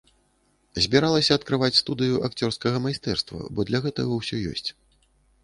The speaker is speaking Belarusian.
Збіраліся адкрываць студыю акцёрскага майстэрства, бо для гэтага ўсё ёсць.